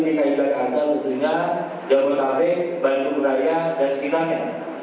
masa berasa ini dikaitkan dengan kepentingan jabodetabek bantuan kudaya dan sekitarnya